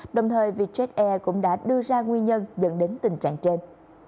đồng thời vietjet air cũng đã đưa ra nguyên nhân dẫn đến tình trạng trên